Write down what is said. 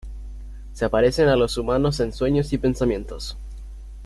Se aparecen a los humanos en sueños y pensamientos.